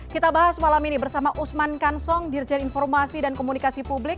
kita bahas malam ini bersama usman kansong dirjen informasi dan komunikasi publik